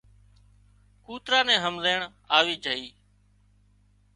ڪوترا نين همزيڻ آوي جھئي